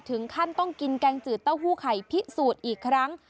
ถึงขั้นต้องกินแกงจืดเต้าหู้ไข่พิสูจน์อีกครั้ง